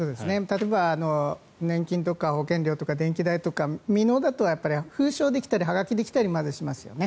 例えば、年金とか保険料とか電気代とか未納だと封書で来たりはがきで来たりしますよね。